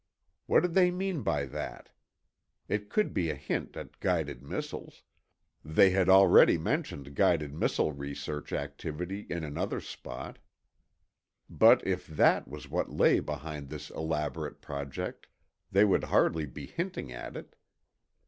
What did they mean by that? It could be a hint at guided missiles; they had already mentioned guided missile research activity in another spot. But if that was what lay behind this elaborate project, they would hardly be hinting at it.